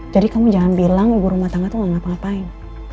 jadi kamu jangan bilang ibu rumah tangga tuh gak ngapa ngapain